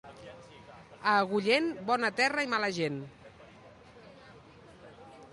A Agullent, bona terra i mala gent.